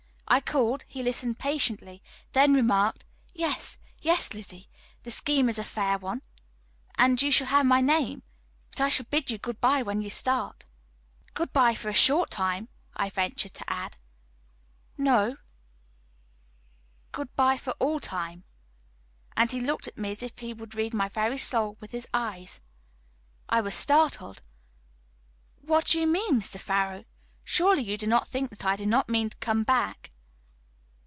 I called, he listened patiently, then remarked: "Yes, yes, Lizzie; the scheme is a fair one, and you shall have my name. But I shall bid you good by when you start." "Good by for a short time," I ventured to add. "No, good by for all time," and he looked at me as if he would read my very soul with his eyes. I was startled. "What do you mean, Mr. Farrow? Surely you do not think that I do not mean to come back?"